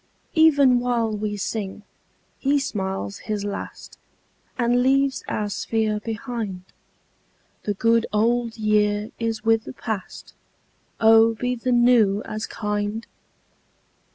37 Even while we sing he smiles his last And leaves our sphere behind. The good old year is with the past ; Oh be the new as kind